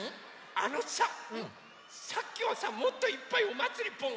あのささっきはさもっといっぱい「おまつりぽん！